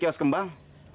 selamat siang bang